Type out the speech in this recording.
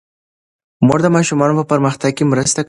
مور د ماشومانو په پرمختګ کې مرسته کوي.